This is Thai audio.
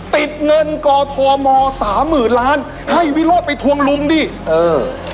ติดเงินกอทมสามหมื่นล้านให้วิโรธไปทวงลุงดิเออ